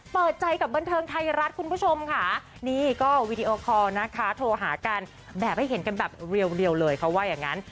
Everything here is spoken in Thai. เปิดใจกับบันเทิงไทยรัฐคุณผู้ชมค่ะนี่ก็วีดีโอคอร์นะคะโทรหากันแบบให้เห็นกันแบบเรียวเลยเขาว่าอย่างนั้น